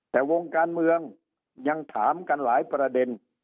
แต่วงการเมืองยังถามกันหลายประเด็น